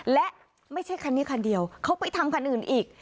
และไม่ใช่คันนี้คันเดียวเขาไปทำคันอื่นอีก